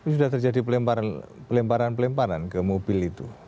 sudah terjadi pelemparan pelemparan ke mobil itu